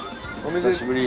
久しぶり。